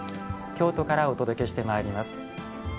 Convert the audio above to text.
京都からお届けしてまいります。